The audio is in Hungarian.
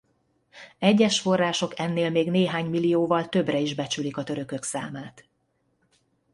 Egyes források ennél még néhány millióval többre is becsülik a törökök számát.